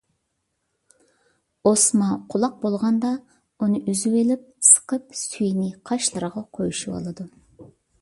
ئوسما قۇلاق بولغاندا، ئۇنى ئۈزۈۋېلىپ سىقىپ سۈيىنى قاشلىرىغا قويۇشۇۋالىدۇ.